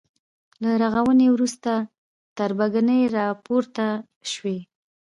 له رغاونې وروسته تربګنۍ راپورته شوې.